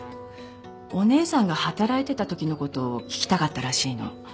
お姉さんが働いてたときのこと聞きたかったらしいの。